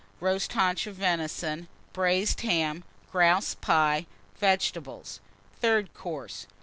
Roast Haunch of Venison. Braised Ham. Grouse Pie. Vegetables. THIRD COURSE.